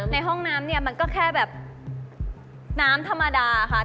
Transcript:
ในห้องน้ำเนี่ยมันก็แค่แบบน้ำธรรมดาค่ะ